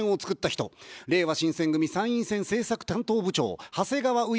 れいわ新選組参院選政策担当部長、長谷川う